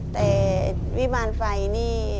แต่วิมารไฟนี่